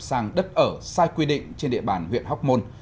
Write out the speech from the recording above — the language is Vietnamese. sang đất ở sai quy định trên địa bàn huyện hóc môn